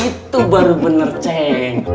itu baru bener ceng